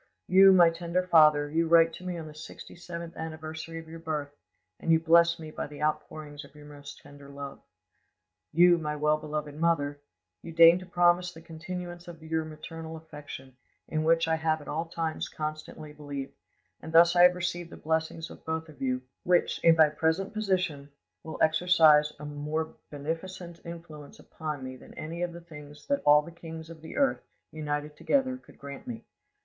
"You, my tender father, you write to me on the sixty seventh anniversary of your birth, and you bless me by the outpouring of your most tender love. "You, my well beloved mother, you deign to promise the continuance of your maternal affection, in which I have at all times constantly believed; and thus I have received the blessings of both of you, which, in my present position, will exercise a more beneficent influence upon me than any of the things that all the kings of the earth, united together, could grant me.